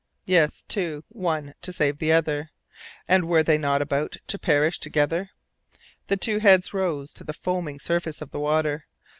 Yes, two one to save the other. And were they not about to perish together? The two heads rose to the foaming surface of the water.